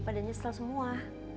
pada nyesel semua